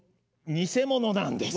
偽物なんです。